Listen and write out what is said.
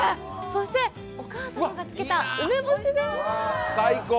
そしてお母様が漬けた梅干しです。